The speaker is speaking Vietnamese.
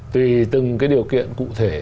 tùy từng cái điều kiện cụ thể